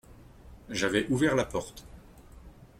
J’avais ouvert la porte.